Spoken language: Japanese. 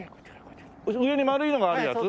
上に丸いのがあるやつ？